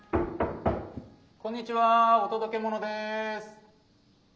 ・こんにちはお届けものです。